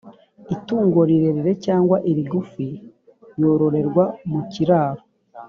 itungo rirerire cyangwa irigufi yororerwa mu kiraro,